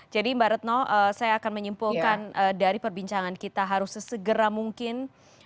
jadi mbak retno saya akan menyimpulkan dari perbincangan kita harus sesegera mungkin